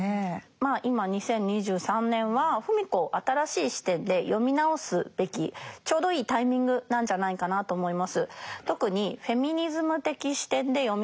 まあ今２０２３年は芙美子を新しい視点で読み直すべきちょうどいいタイミングなんじゃないかなと思います。